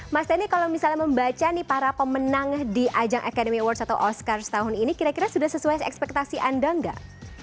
mas teni kalau misalnya membaca nih para pemenang di ajang academy awards atau oscars tahun ini kira kira sudah sesuai ekspektasi anda nggak